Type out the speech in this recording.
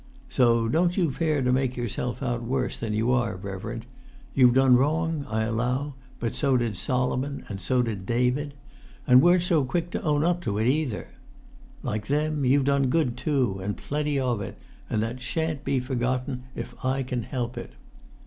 So don't you fare to make yourself out worse than you are, reverend; you've done wrong, I allow, but so did Solomon, and so did David; and weren't so quick to own up to it, either! Like them, you've done good, too, and plenty of it, and that sha'n't be forgotten if I can help it.